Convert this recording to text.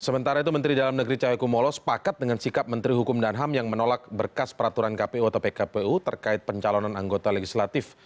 sementara itu menteri dalam negeri cahaya kumolo sepakat dengan sikap menteri hukum dan ham yang menolak berkas peraturan kpu atau pkpu terkait pencalonan anggota legislatif